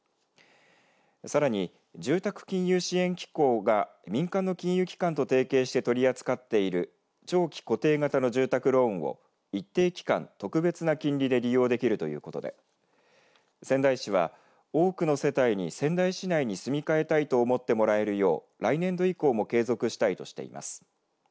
さらに住宅金融支援機構が民間の金融機関と提携して取り扱っている長期固定型の住宅ローンを一定期間、特別な金利で利用できるということで仙台市は、多くの世帯に仙台市内に住み替えたいと思ってもらえるよう来年度以降も継続したいとしています。